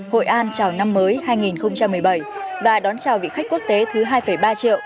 hội an chào năm mới hai nghìn một mươi bảy và đón chào vị khách quốc tế thứ hai ba triệu